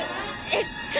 えっと。